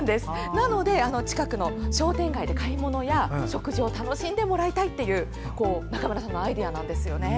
なので近くの商店街で買い物や食事を楽しんでもらいたいというアイデアなんですよね。